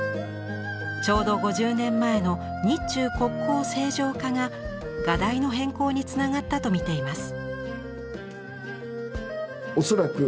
ちょうど５０年前の日中国交正常化が画題の変更につながったと見ています。